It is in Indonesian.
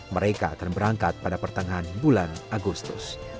mereka akan berangkat pada pertengahan bulan agustus